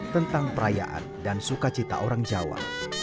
tentang perayaan dan sukacita orang jawa